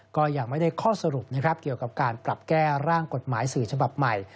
ก็ยังไม่ได้ข้อสรุปนะครับเกี่ยวกับการปรับแก้ร่างกฎหมายสื่อฉบับใหม่